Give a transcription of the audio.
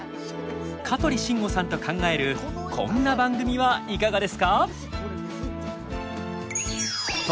香取慎吾さんと考えるこんな番組はいかがですか？